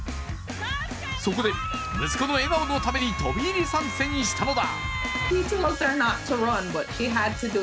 そこで息子の笑顔のために飛び入り参戦したのだ。